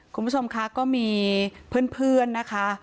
คุณผู้ชมคะก็มีเพื่อนนะคะ